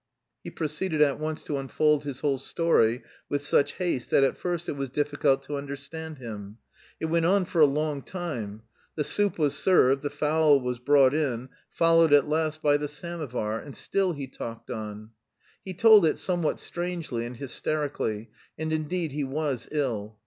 He proceeded at once to unfold his whole story with such haste that at first it was difficult to understand him. It went on for a long time. The soup was served, the fowl was brought in, followed at last by the samovar, and still he talked on. He told it somewhat strangely and hysterically, and indeed he was ill.